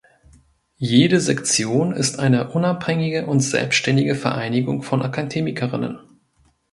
Jede Sektion ist eine unabhängige und selbständige Vereinigung von Akademikerinnen.